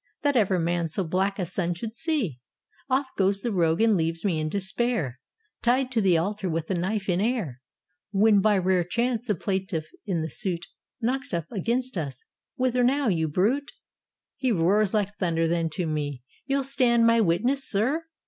That ever man so black a sun should see ! Off goes the rogue, and leaves me in despair, Tied to the altar with the knife in air: When, by rare chance, the plaintiff in the suit Knocks up against us: "Whither now, you brute?" He roars like thunder: then to me: "You'll stand My witness, sir?"